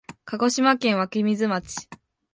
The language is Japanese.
鹿児島県湧水町